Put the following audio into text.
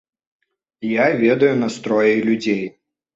Я ведаю настроі людзей.